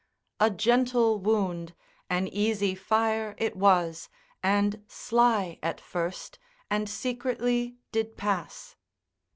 A gentle wound, an easy fire it was, And sly at first, and secretly did pass.